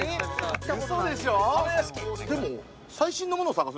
ウソでしょ？